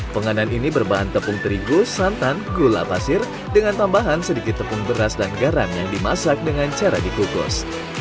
penganan ini berbahan tepung terigus santan gula pasir dengan tambahan sedikit tepung beras dan garam yang dimasak dengan cara dikukus